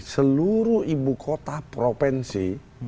seluruh ibu kota provinsi